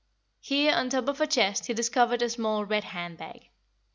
Here on top of a chest he discovered a small red hand bag.